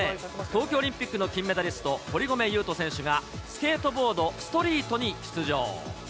東京オリンピックの金メダリスト、堀米雄斗選手が、スケートボードストリートに出場。